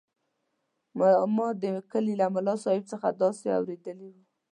ما د کلي له ملاصاحب څخه داسې اورېدلي وو.